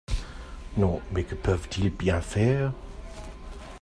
Non, mais que peuvent-ils bien faire ?